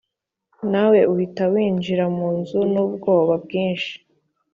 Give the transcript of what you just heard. nawe uhita winjira munzu nubwoba bwinshi.